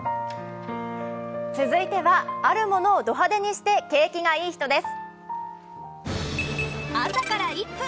続いては、あるものをド派手にして景気がイイ人です。